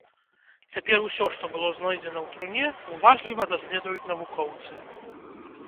Цяпер усё, што было знойдзена ў труне, уважліва даследуюць навукоўцы.